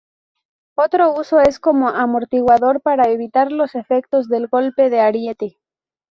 Otro uso es como amortiguador para evitar los efectos del golpe de ariete.